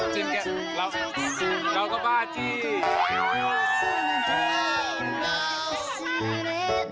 จูบเลยจูบเลย